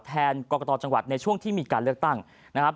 แทนกรกตจังหวัดในช่วงที่มีการเลือกตั้งนะครับ